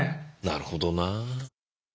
なるほどな。